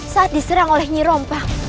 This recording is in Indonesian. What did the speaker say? saat diserang oleh nyirompang